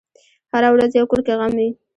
هره ورځ یو کور کې غم وي.